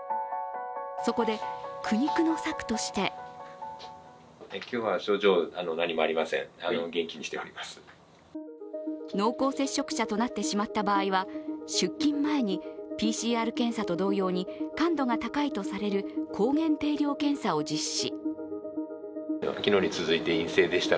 そこで苦肉の策として濃厚接触者となってしまった場合は出勤前にＰＣＲ検査と同様に感度が高いとされる抗原定量検査を実施。